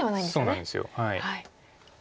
そうなんです。